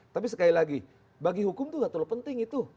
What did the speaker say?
tapi sekali lagi bagi hukum itu gak terlalu penting itu